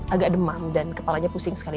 agak demam dan kepalanya pusing sekali